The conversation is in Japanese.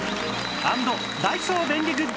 ＆ダイソー便利グッズ